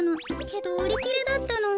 けどうりきれだったの。